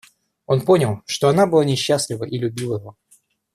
Он понял, что она была несчастлива и любила его.